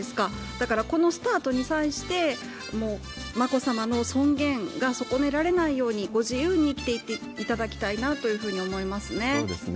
だからこのスタートに際して、眞子さまの尊厳が損ねられないように、ご自由に生きていっていただきたいなというふうに思いますね。